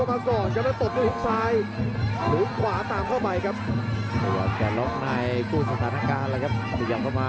วันนี้ต้องบอกว่าไม่มีลูกกับไหนเลยครับ